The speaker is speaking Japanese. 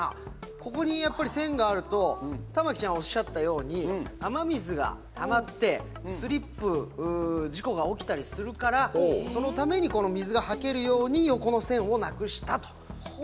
ここに、やっぱり線があると田牧ちゃん、おっしゃったように雨水がたまってスリップ事故が起きたりするからそのために水がはけるように横の線をなくしたと。